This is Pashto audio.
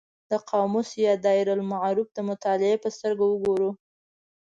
د قاموس یا دایرة المعارف د مطالعې په سترګه وګورو.